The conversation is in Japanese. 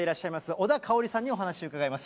小田香さんにお話を伺います。